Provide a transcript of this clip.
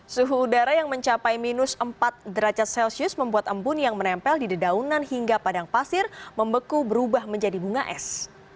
suhu udara yang mencapai minus empat derajat celcius membuat embun yang menempel di dedaunan hingga padang pasir membeku berubah menjadi bunga es